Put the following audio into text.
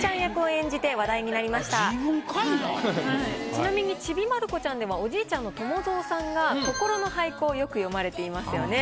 ちなみに「ちびまる子ちゃん」ではおじいちゃんの友蔵さんが心の俳句をよく詠まれていますよね。